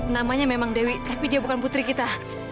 namanya memang dewi tapi dia bukan putri kita